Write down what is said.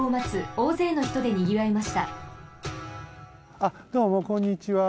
あっどうもこんにちは。